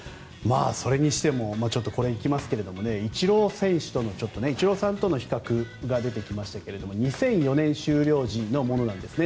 それにしてもイチローさんとの比較が出てきましたが２００４年終了時のものなんですね。